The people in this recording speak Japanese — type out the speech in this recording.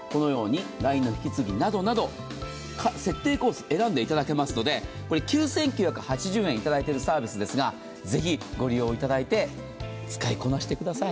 ＬＩＮＥの設定コースを選んでいただけますので、９９８０円いただくサービスですが、ぜひご利用いただいて使いこなしてください。